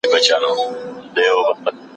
خو د نورو څانګو افقي پوهه هم لري.